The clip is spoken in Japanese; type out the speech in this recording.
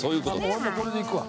俺もうこれでいくわ。